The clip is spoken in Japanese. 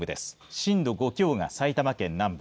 震度５強が埼玉県南部